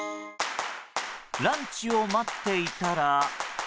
ランチを待っていたら。